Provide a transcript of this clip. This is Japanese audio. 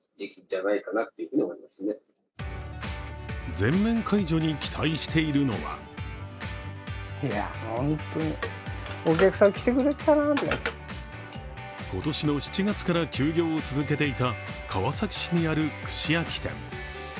全面解除に期待しているのは今年の７月から休業を続けていた川崎市にある串焼き店。